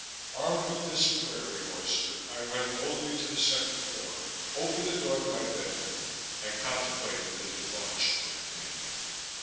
Armed with this Prairie Oyster, I went boldly to the second floor, opened the door to my bedroom and contemplated the debauched Great Dane.